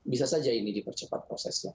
bisa saja ini dipercepat prosesnya